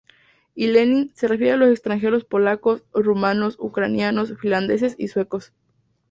Y Lenin se refiere a los extranjeros polacos, rumanos, ucranianos, finlandeses y suecos.